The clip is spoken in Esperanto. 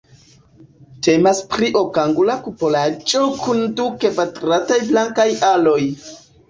Temas pri okangula kupolaĵo kun du kvadrataj flankaj aloj.